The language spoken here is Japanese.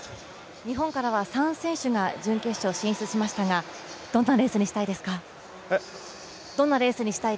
日本からは３選手が準決勝進出しましたがどんなレースにしたいですか？